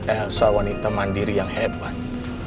elsa wanita mandiri yang hebat